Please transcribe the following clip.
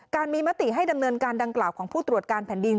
มีมติให้ดำเนินการดังกล่าวของผู้ตรวจการแผ่นดิน